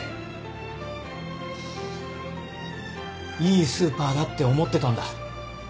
いいスーパーだって思ってたんだ